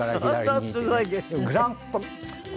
相当すごいです。